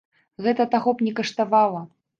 Гэта таго б не каштавала.